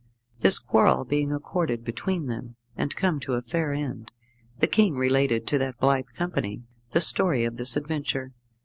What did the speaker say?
This quarrel being accorded between them, and come to a fair end, the King related to that blithe company the story of this adventure.